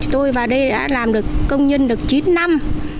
tôi vào đây đã làm được công nhân được chín năm